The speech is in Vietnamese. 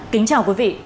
kính chào quý vị